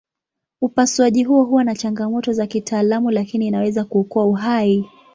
Upasuaji huo huwa na changamoto za kitaalamu lakini inaweza kuokoa uhai.